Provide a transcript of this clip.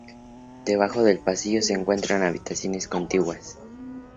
Debajo del pasillo se encuentran habitaciones contiguas.